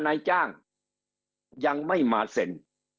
นายจ้างยังไม่มาเซ็น